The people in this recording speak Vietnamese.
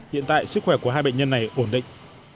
hiện tại sức khỏe của hai bệnh nhân này ổn định